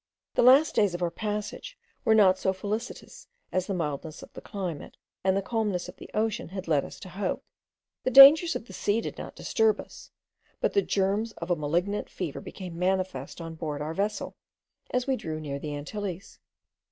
The last days of our passage were not so felicitous as the mildness of the climate and the calmness of the ocean had led us to hope. The dangers of the sea did not disturb us, but the germs of a malignant fever became manifest on board our vessel as we drew near the Antilles.